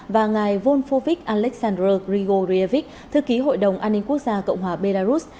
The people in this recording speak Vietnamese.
và ngài volpovic aleksandr grigorievic thư ký hội đồng an ninh quốc gia cộng hòa belarus